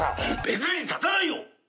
別に立たないよ！